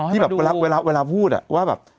ที่แบบเวลาพูดว่าแบบ